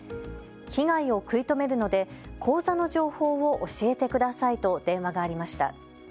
被害を食い止めるので口座の情報を教えてくださいと電話がありました。